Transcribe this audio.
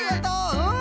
うん！